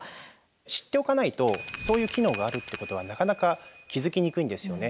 知っておかないとそういう機能があるっていうことはなかなか気付きにくいんですよね。